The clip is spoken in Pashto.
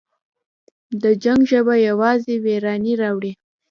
د جنګ ژبه یوازې ویرانی راوړي.